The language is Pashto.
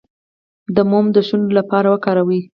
د موم د شونډو لپاره وکاروئ